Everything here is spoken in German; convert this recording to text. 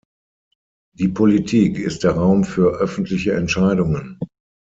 Die Politik ist der Raum für öffentliche Entscheidungen.